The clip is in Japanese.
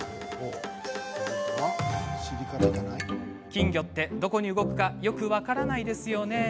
金魚って、どこに動くかよく分からないですよね。